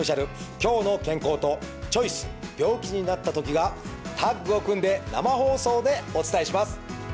「きょうの健康」と「チョイス＠病気になったとき」が、タッグを組んで生放送でお伝えします。